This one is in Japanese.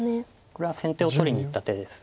これは先手を取りにいった手です。